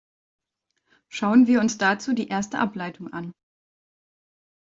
Schauen wir uns dazu die erste Ableitung an.